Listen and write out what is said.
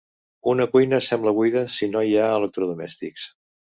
Una cuina sembla buida si no hi ha electrodomèstics.